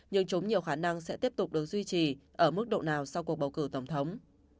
nhưng chúng nhiều khả năng sẽ tiếp tục được duy trì ở mức độ nào sau cuộc bầu cử tổng thống